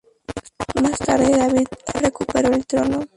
Más tarde David recuperó el trono.